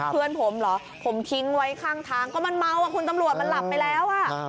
เพื่อนผมเหรอผมทิ้งไว้ข้างทางก็มันเมาอ่ะคุณตำรวจมันหลับไปแล้ว